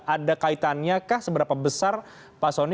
ada kaitannya kah seberapa besar pak soni